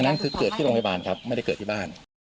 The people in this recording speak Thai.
นั่นคือเกิดที่โรงพยาบาลครับไม่ได้เกิดที่บ้าน